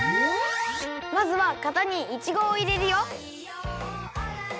まずはかたにいちごをいれるよ。